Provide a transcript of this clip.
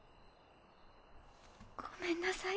ごめんなさい